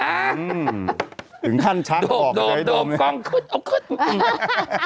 ถึงขั้นชักโดมกล้องขึ้นเอาขึ้น